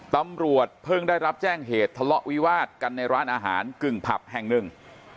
ตำรวจเพิ่งได้รับแจ้งเหตุทะเลาะวิวาดกันในร้านอาหารกึ่งผับแห่งหนึ่ง